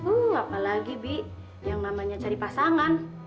uh apalagi bi yang namanya cari pasangan